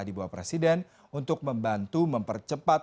di bawah presiden untuk membantu mempercepat